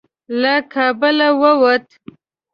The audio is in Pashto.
له کابله ووت.